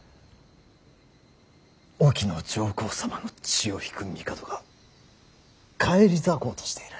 隠岐の上皇様の血を引く帝が返り咲こうとしている。